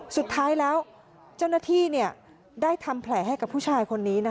สุดท้ายแล้วเจ้าหน้าที่ได้ทำแผลให้กับผู้ชายคนนี้